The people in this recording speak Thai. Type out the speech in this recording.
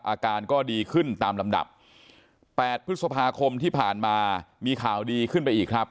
อาการก็ดีขึ้นตามลำดับ๘พฤษภาคมที่ผ่านมามีข่าวดีขึ้นไปอีกครับ